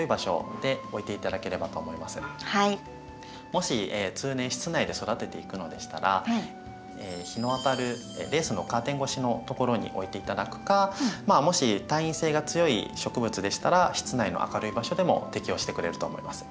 もし通年室内で育てていくのでしたら日の当たるレースのカーテン越しのところに置いて頂くかまあもし耐陰性が強い植物でしたら室内の明るい場所でも適応してくれると思います。